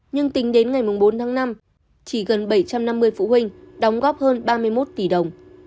nhưng tính đến ngày bốn tháng năm chỉ gần bảy trăm năm mươi phụ huynh đóng góp hơn ba mươi một tỷ đồng